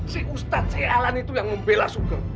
si ustadz si alan itu yang membela sugeng